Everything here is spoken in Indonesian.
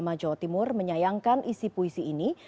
wilayah nadatul ulama jawa timur menyayangkan isi puisi ini